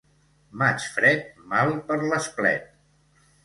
Maig fred, mal per l'esplet.